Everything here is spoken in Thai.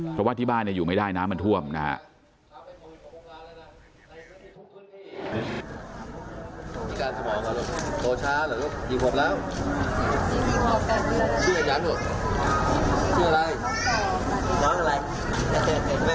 เพราะว่าที่บ้านอยู่ไม่ได้น้ำมันท่วมนะครับ